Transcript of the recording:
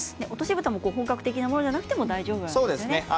落としぶたも本格的なものでなくても大丈夫ですね。